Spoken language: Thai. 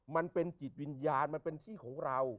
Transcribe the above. มันเป็นจิตวิญญาณมันเป็นที่ของเรา